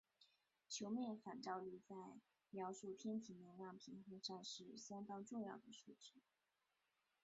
球面反照率在描述天体能量平衡上是相当重要的数值。